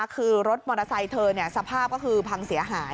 คือรถมอเตอร์ไซค์เธอสภาพก็คือพังเสียหาย